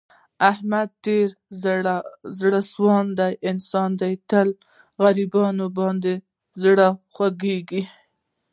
احمد یو ډېر زړه سواندی انسان دی. تل یې په غریبانو باندې زړه خوګېږي.